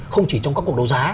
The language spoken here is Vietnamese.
không chỉ trong các cuộc đấu giá